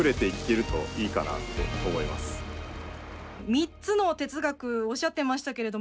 ３つの哲学おっしゃってましたけれど